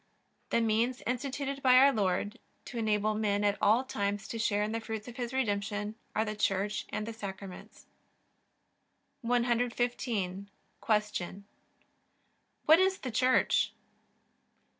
The means instituted by our Lord to enable men at all times to share in the fruits of His Redemption are the Church and the Sacraments. 115. Q. What is the Church?